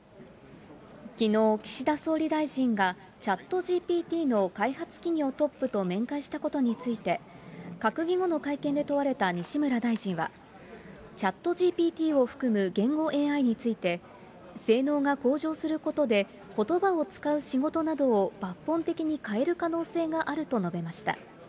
きのう、岸田総理大臣が、チャットＧＰＴの開発企業トップと面会したことについて、閣議後の会見で問われた西村大臣は、チャットＧＰＴを含む言語ＡＩについて、性能が向上することで、ことばを使う仕事などを抜本的に変える可能性があると述べました。